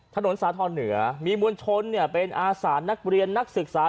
ถนนสาธรณ์เหนือมีมวลชนเป็นอาสานักเรียนนักศึกษา